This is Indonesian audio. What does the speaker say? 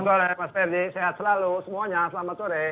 selamat sore pak ferdi sehat selalu semuanya selamat sore